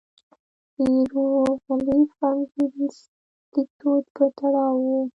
د هېروغلیف انځوریز لیکدود په تړاو وو.